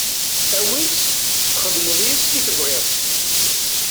Awi-tt txedmeḍ yes-s i tebɣiḍ.